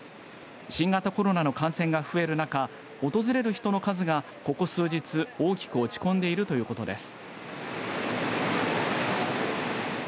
新型コロナの感染が増える中訪れる人の数が、ここ数日大きく落ち込んでいるということです。